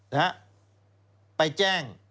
นะไปแจ้ง